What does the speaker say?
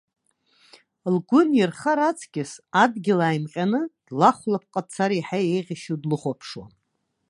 Лгәы нирхар аҵкыс, адгьыл ааимҟьаны длахәлапҟа дцар еиҳа еиӷьашьо длыхәаԥшуан.